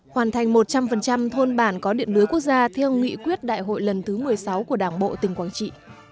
hoàn thành một trăm linh thôn bản có điện lưới quốc gia theo nghị quyết đại hội lần thứ một mươi sáu của đảng bộ tỉnh quảng trị